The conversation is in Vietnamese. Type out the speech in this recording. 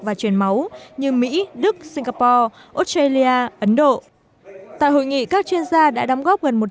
và truyền máu như mỹ đức singapore australia ấn độ tại hội nghị các chuyên gia đã đóng góp gần một